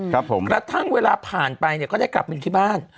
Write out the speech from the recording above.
กระทั่งเวลาผ่านไปก็ได้กลับมาอยู่ที่บ้าน